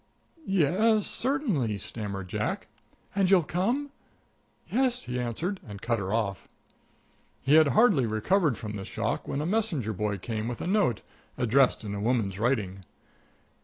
"Yes certainly," stammered Jack. "And you'll come?" "Yes," he answered, and cut her off. He had hardly recovered from this shock when a messenger boy came with a note, addressed in a woman's writing.